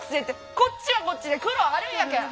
こっちはこっちで苦労あるんやけん。